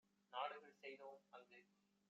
நாடுகள் செய்தோம் - அங்கு